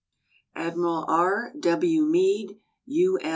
ADMIRAL R. W. MEADE, U.